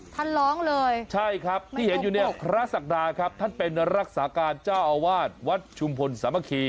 ท่านร้องเลยใช่ครับที่เห็นอยู่เนี่ยพระศักดาครับท่านเป็นรักษาการเจ้าอาวาสวัดชุมพลสามัคคี